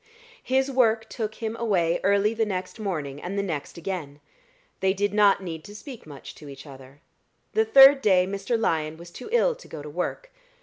His work took him away early the next morning and the next again. They did not need to speak much to each other. The third day Mr. Lyon was too ill to go to work.